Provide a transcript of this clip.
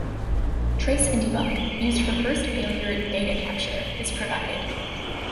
Trace-and-Debug, used for First Failure Data Capture, is provided.